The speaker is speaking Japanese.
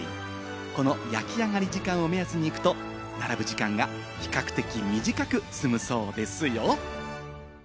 この焼き上がり時間を目安に行くと並ぶ時間が比較的短く済むそうですよ。